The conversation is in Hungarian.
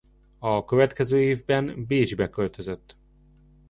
A következő évben Bécsbe költözött.